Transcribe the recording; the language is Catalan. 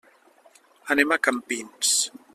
Anem a Campins.